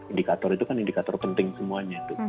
indikator itu kan indikator penting semuanya